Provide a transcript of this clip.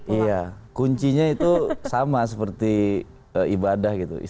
iya kuncinya itu sama seperti ibadah gitu